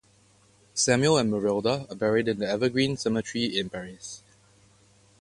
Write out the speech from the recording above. Samuel and Marilda are buried in the Evergreen Cemetery in Paris.